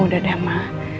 oh udah deh ma